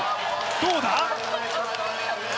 どうだ？